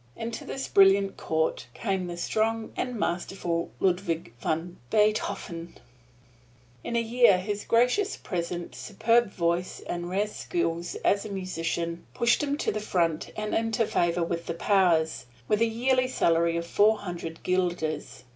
Into this brilliant court came the strong and masterful Ludvig van Biethofen. In a year his gracious presence, superb voice and rare skill as a musician, pushed him to the front and into favor with the powers, with a yearly salary of four hundred guilders.